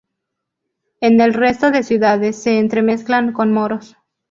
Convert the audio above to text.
En el resto de ciudades, se entremezclan con moros".